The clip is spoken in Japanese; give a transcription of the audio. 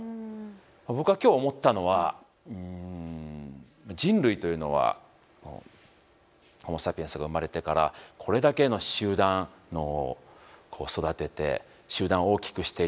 僕は今日思ったのは人類というのはホモ・サピエンスが生まれてからこれだけの集団脳を育てて集団を大きくしていって。